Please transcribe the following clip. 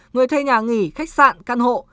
người thuê nhà nghỉ khách sạn căn hộ